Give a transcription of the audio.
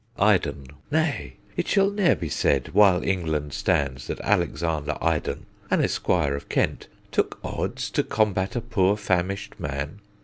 Iden. Nay, it shall ne'er be said, while England stands, That Alexander Iden, an esquire of Kent, Took odds to combat a poor famished man.